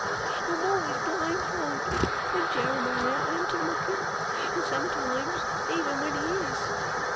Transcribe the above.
I'm always blind folded when Jeremiah an't a looking, and sometimes even when he is.